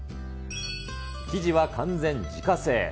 生地は完全自家製。